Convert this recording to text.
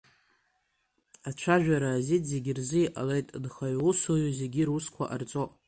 Ацәажәара азин зегьы рзы иҟалеит, нхаҩ-усуҩы зегьы русқәа ҟарҵоит.